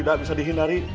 tidak bisa dihindari